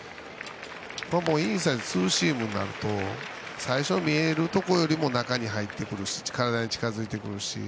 インサイド、ツーシームとなると最初に見えるところよりも中に入ってくるし体に近づいてくるし。